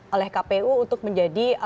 oleh kpu untuk menjadi